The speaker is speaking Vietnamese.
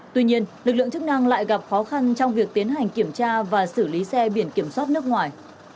tuy nhiên lực lượng chức năng lại gặp khó khăn trong việc tiến hành kiểm tra và xử lý xe biển kiểm soát nước ngoài